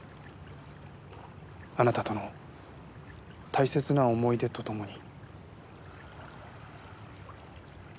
あなたとの大切な思い出とともに。